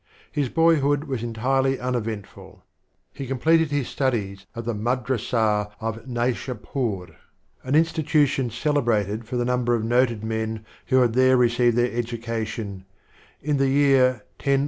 His boyhood was entirely uneventful. He com pleted his studies at the Madrassah of Naishdpur, an institution celebrated for the number of noted men who had there received their education, in the year 1042.